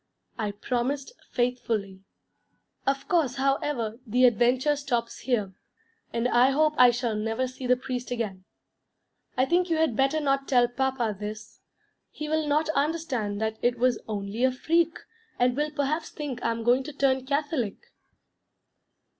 I promised faithfully. Of course, however, the adventure stops here: and I hope I shall never see the Priest again. I think you had better not tell Papa this. He will not understand that it was only a freak, and will perhaps think I am going to turn Catholic.'